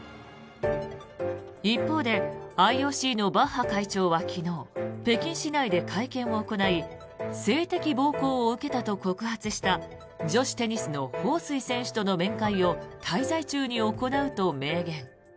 一方で、ＩＯＣのバッハ会長は昨日北京市内で会見を行い性的暴行を受けたと告発した女子テニスのホウ・スイ選手との面会を滞在中に行うと明言。